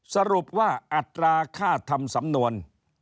สรุปว่าอัตราค่าทำสำนวน